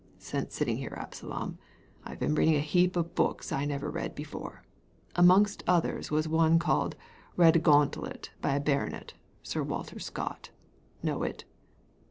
''Since sitting here, Absalom, IVe been reading a heap of books I never read before. Amongst others one called ' Redgauntlet/ by a baronet, Sir Walter Scott. Know it?"